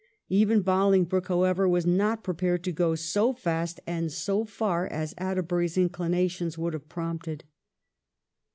Even Bolingbroke, however, was not prepared to go so fast and so far as Atterbury's inclinations would have prompted.